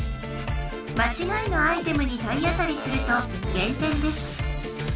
まちがいのアイテムに体当たりすると減点です